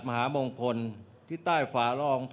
เวรบัติสุภิกษ์